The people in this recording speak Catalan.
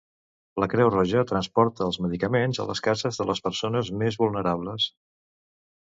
La Creu Roja transporta els medicaments a les cases de les persones més vulnerables.